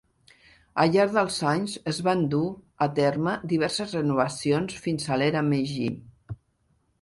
Al llarg dels anys es van dur a terme diverses renovacions fins a l'era Meiji.